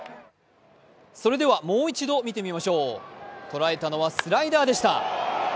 それでは、もう一度見てみましょう捉えたのはスライダーでした。